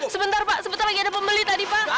sebentar pak sebentar lagi ada pembeli tadi pak